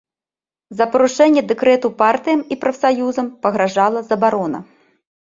За парушэнне дэкрэту партыям і прафсаюзам пагражала забарона.